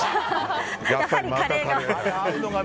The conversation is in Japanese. やはりカレーが。